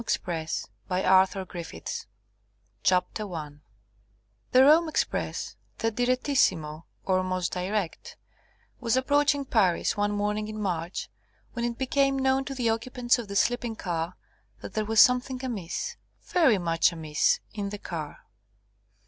Scott 1907 THE ROME EXPRESS CHAPTER I The Rome Express, the direttissimo, or most direct, was approaching Paris one morning in March, when it became known to the occupants of the sleeping car that there was something amiss, very much amiss, in the car.